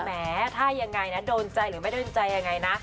แม้ถ้ายังไงนะโดนใจหรือไม่โดนใจยังไงนะ